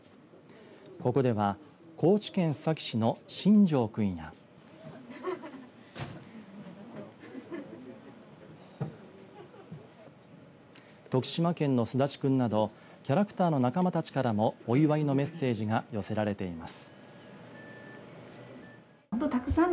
ここでは、高知県須崎市のしんじょう君や徳島県のすだちくんなどキャラクターの仲間たちからもお祝いのメッセージが寄せられています。